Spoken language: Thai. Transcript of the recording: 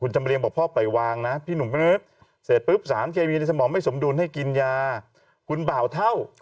จริงนะครับคุณคัสต่ออ